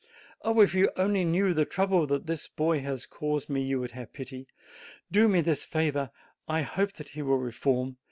"Oh, if you only knew the trouble that this boy has caused me, you would have pity! Do me this favor! I hope that he will reform.